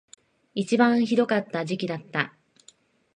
一番ひどかった時期だった